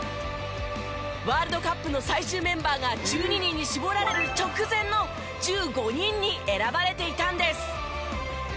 ワールドカップの最終メンバーが１２人に絞られる直前の１５人に選ばれていたんです。